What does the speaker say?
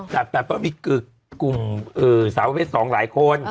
กุลสาวพี่พี่๒หลายคน